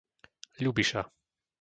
Ľubiša